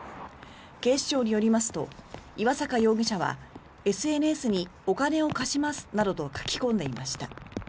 警視庁によりますと岩坂容疑者はＳＮＳにお金を貸しますなどと書き込んでいました。